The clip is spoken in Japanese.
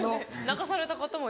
泣かされた方も。